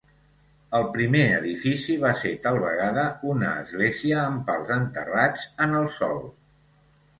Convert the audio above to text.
El primer edifici va ser tal vegada una església amb pals enterrats en el sòl.